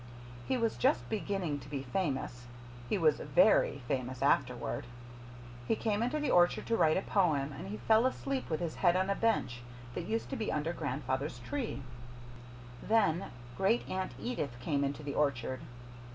He was just beginning to be famous. He was VERY famous afterward. He came into the orchard to write a poem, and he fell asleep with his head on a bench that used to be under grandfather's tree. Then Great Aunt Edith came into the orchard.